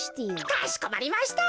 かしこまりました。